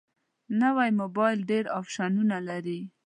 نوی موبایل ډېر اپشنونه لري